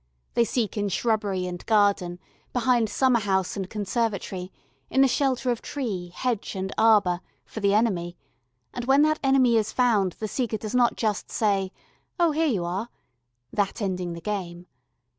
They seek, in shrubbery and garden, behind summer house and conservatory, in the shelter of tree, hedge, and arbour, for the enemy, and when that enemy is found the seeker does not just say, "Oh, here you are" that ending the game.